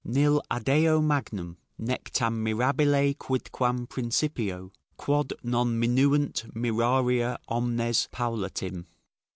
"Nil adeo magnum, nec tam mirabile quidquam Principio, quod non minuant mirarier omnes Paullatim."